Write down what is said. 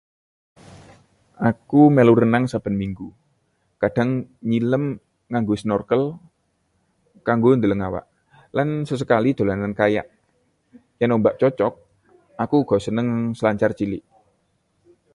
Aku melu renang saben minggu, kadhang nyilem nganggo snorkel kanggo ndeleng iwak, lan sesekali dolanan kayak. Yen ombak cocok, aku uga seneng selancar cilik.